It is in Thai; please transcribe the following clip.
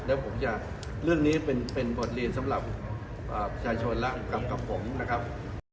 แล้วผมจะเรื่องนี้เป็นบทเรียนสำหรับประชาชนแล้วกับผมนะครับ